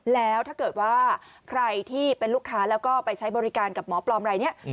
แล้วถ้าเกิดว่าใครที่เป็นลูกค้าแล้วก็ไปใช้บริการกับหมอปลอมอะไรเนี่ย